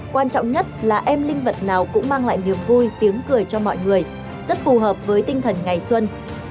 quan trọng nhất là em linh vật nào cũng mang lại niềm vui tiếng cười cho mọi người rất phù hợp với tinh thần ngày xuân